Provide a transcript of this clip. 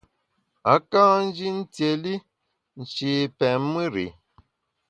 A ka nji ntiéli nshi pèn mùr i.